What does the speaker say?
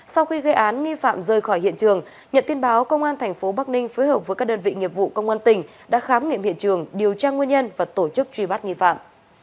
sau khi gây án nghi phạm rơi khỏi hiện trường nhận tin báo công an tp bắc ninh phối hợp với các đơn vị nghiệp vụ công an tỉnh đã khám nghiệm hiện trường điều tra nguyên nhân và tổ chức truy bắt nghi phạm